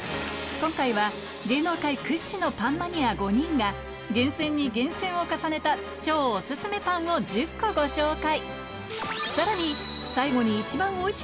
今回は芸能界屈指のパンマニア５人が厳選に厳選を重ねた超オススメパンを１０個ご紹介